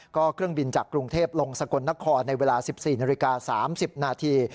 ก็เครื่องบินจากกรุงเทพลงสกลนครในเวลา๑๔นาฬิกา๓๐นาที